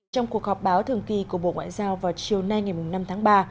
trong cuộc họp báo thường kỳ của bộ ngoại giao vào chiều nay ngày năm tháng ba